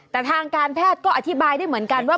แต่ทางการแพทย์ก็อธิบายได้เหมือนกันว่า